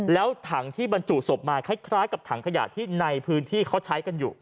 แล้วถังที่บรรจุศพมาคล้ายกับถังขยะที่ในพื้นที่เขาใช้กันอยู่